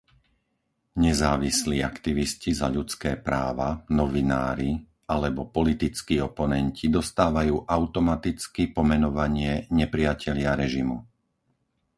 Nezávislí” aktivisti za ľudské práva, novinári alebo politickí oponenti dostávajú automaticky pomenovanie nepriatelia režimu”.